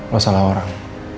lo salah orang